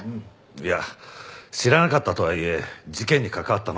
いや知らなかったとはいえ事件に関わったのは事実だ。